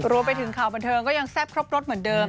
รวมไปถึงข่าวบันเทิงก็ยังแซ่บครบรสเหมือนเดิม